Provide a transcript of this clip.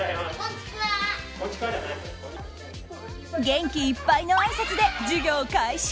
元気いっぱいのあいさつで授業開始！